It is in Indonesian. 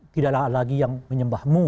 tidak ada lagi yang menyembahmu